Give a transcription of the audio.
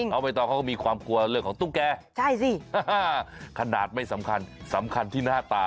ไม่ต้องเขาก็มีความกลัวเรื่องของตุ๊กแกใช่สิขนาดไม่สำคัญสำคัญที่หน้าตา